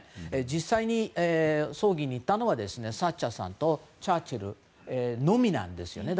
実際に葬儀に行ったのはサッチャーさんとチャーチルのみなんですね。